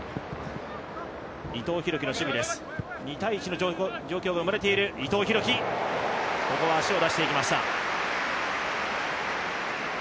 ２−１の状況が生まれている、ここは足を出していきました。